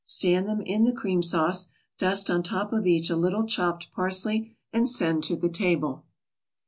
Stand them in the cream sauce, dust on top of each a little chopped parsley and send to the table.